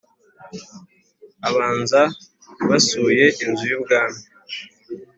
abanza basuye Inzu y Ubwami